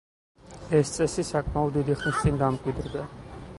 ეს წესი საკმაოდ დიდი ხნის წინ დამკვიდრდა.